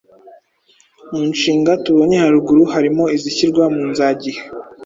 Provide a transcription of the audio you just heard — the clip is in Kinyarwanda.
Mu nshinga tubonye haruguru harimo izishyirwa mu nzagihe